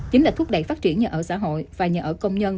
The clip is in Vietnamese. chính là thúc đẩy phát triển nhà ở xã hội và nhà ở công nhân